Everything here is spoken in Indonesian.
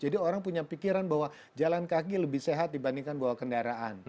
jadi orang punya pikiran bahwa jalan kaki lebih sehat dibandingkan bawa kendaraan